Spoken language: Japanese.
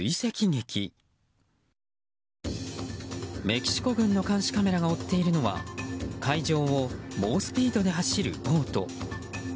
メキシコ軍の監視カメラが追っているのは海上を猛スピードで走るボート。